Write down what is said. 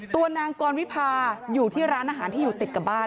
ตัวนางกรวิพาอยู่ที่ร้านอาหารที่อยู่ติดกับบ้าน